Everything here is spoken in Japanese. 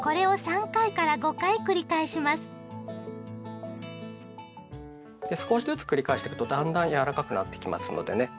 これをで少しずつ繰り返していくとだんだん柔らかくなっていきますのでね。